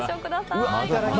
いただき！